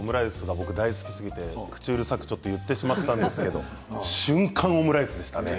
僕、大好きすぎて口うるさくちょっと言ってしまったんですけど瞬間、オムライスでしたね。